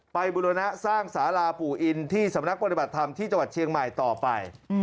บุรณะสร้างสาราปู่อินที่สำนักปฏิบัติธรรมที่จังหวัดเชียงใหม่ต่อไป